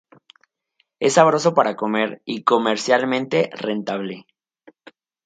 Es sabroso para comer y comercialmente rentable.